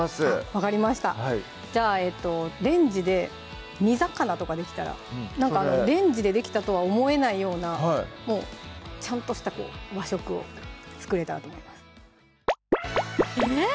分かりましたじゃあレンジで煮魚とかできたらなんかレンジでできたとは思えないようなもうちゃんとした和食を作れたらと思いますえ